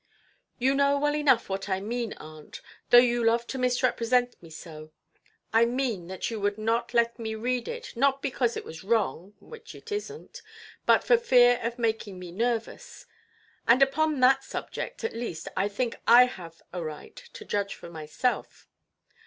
"You know well enough what I mean, aunt, though you love to misrepresent me so. I mean that you would not let me read it, not because it was wrong (which it isnʼt), but for fear of making me nervous. And upon that subject, at least, I think I have a right to judge for myself".